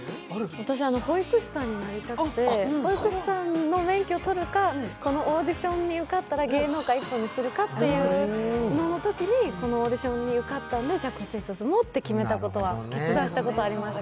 私、保育士さんになりたくて、保育士さんの免許を取るか、このオーディションに受かったら芸能界一本にするかっていうときにこのオーディションに受かったんでこっちにと決断したことはありました。